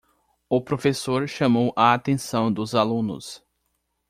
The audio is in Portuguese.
O professor chamou a atenção dos alunos.